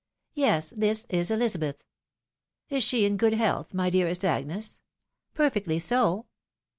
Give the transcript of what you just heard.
" Yes : this is Elizabeth." '( Is she in good health, my dearest Agnes? "" Perfectly so."